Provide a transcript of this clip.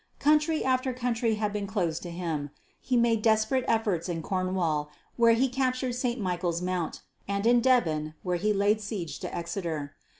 Country after country having been closed to him, he made desperate efforts in Cornwall, where he captured St. Michael's Mount, and in Devon, where he laid siege to Exeter.